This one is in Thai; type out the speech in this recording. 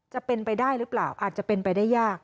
จะเป็นไปได้หรือเปล่าอาจจะเป็นไปได้ยาก